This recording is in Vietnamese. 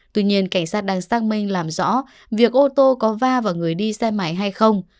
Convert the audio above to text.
tuy nhiên cảnh sát đang xác minh làm rõ việc ô tô có va vào người đi xe máy hay không